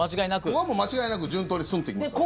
ここはもう間違いなく順当に、スンと行きますから。